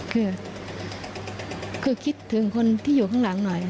คือคิดถึงคนที่อยู่ข้างหลังหน่อย